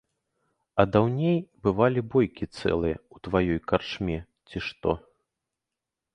А даўней бывалі бойкі цэлыя ў тваёй карчме, ці што.